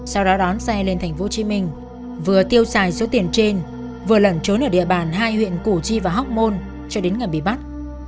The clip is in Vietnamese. sau đó đón xe lên thành phố hồ chí minh vừa tiêu xài số tiền trên vừa lẩn trốn ở địa bàn hai huyện củ chi và hóc môn cho đến ngày bị bắt